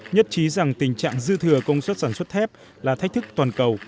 nhất trí rằng tình trạng dư thừa công suất sản xuất thép là thách thức toàn cầu